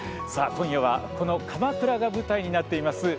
今夜は、この鎌倉が舞台になっています